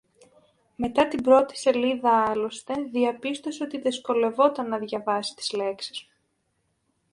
Μετά την πρώτη σελίδα άλλωστε διαπίστωσε ότι δυσκολευόταν να διαβάσει τις λέξεις